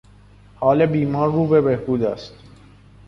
حال بیمار رو به بهبود است.